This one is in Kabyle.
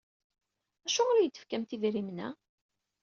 Acuɣer i iyi-d-tefkamt idrimen-a?